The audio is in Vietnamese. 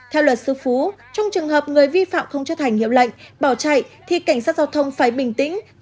theo luật sư phú trong trường hợp người vi phạm không chấp hành hiệu lệnh bỏ chạy thì cảnh sát giao thông phải bình tĩnh